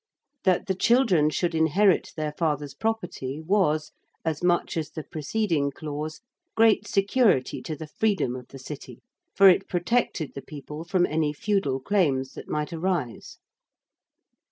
That the children should inherit their father's property was, as much as the preceding clause, great security to the freedom of the City, for it protected the people from any feudal claims that might arise.